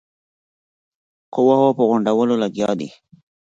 قواوو په غونډولو لګیا دی.